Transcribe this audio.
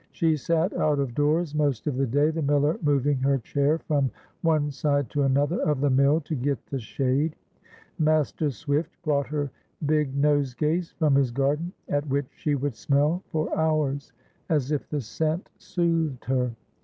She sat out of doors most of the day, the miller moving her chair from one side to another of the mill to get the shade. Master Swift brought her big nosegays from his garden, at which she would smell for hours, as if the scent soothed her.